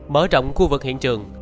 mở rộng khu vực hiện trường